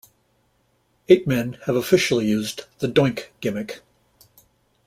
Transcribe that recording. Eight men have officially used the Doink gimmick.